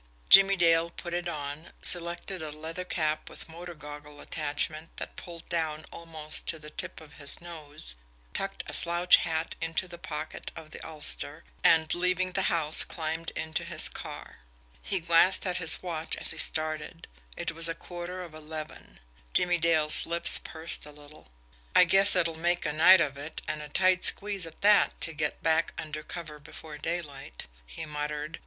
Jimmie Dale put it on, selected a leather cap with motor goggle attachment that pulled down almost to the tip of his nose, tucked a slouch hat into the pocket of the ulster, and, leaving the house, climbed into his car. He glanced at his watch as he started it was a quarter of eleven. Jimmie Dale's lips pursed a little. "I guess it'll make a night of it, and a tight squeeze, at that, to get back under cover before daylight," he muttered.